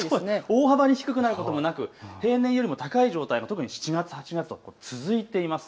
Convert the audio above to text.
大幅に低くなることもなく平年よりも高い状態、特に７月、８月と続いています。